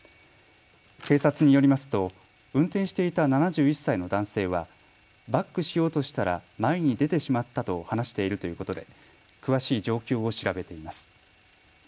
警察によりますと運転していた７１歳の男性はバックしようとしたら前に出てしまったと話しているということで詳しい状況を調べています。